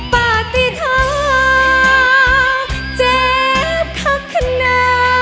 ปฏิธาเจ็บทักขณะ